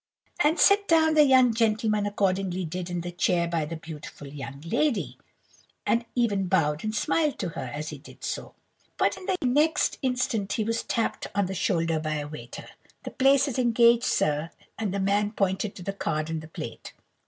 "And sit down the young gentleman accordingly did in the chair by the beautiful young lady, and even bowed and smiled to her as he did so. "But the next instant he was tapped on the shoulder by a waiter. "'The place is engaged, sir!' and the man pointed to the card in the plate.